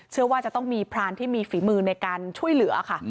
เชื่อว่าจะต้องมีพรานที่มีฝีมือในการช่วยเหลือค่ะ